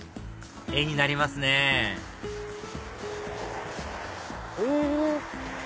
絵になりますねえ！